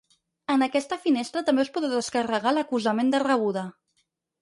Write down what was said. En aquesta finestra també us podreu descarregar l'acusament de rebuda.